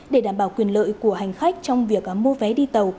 để đảm bảo quyền lợi của hành khách trong việc mua vé đi tàu